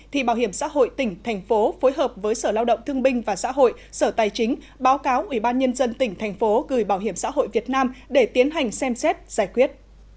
thì bảo hiểm xã hội tỉnh thành phố phối hợp với sở lao động thương binh và xã hội sở tài chính báo cáo ubnd tỉnh thành phố gửi bảo hiểm xã hội việt nam để tiến hành xem xét giải quyết